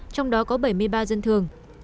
trong đó có bảy mươi ba dân thường